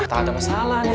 tak ada masalah ya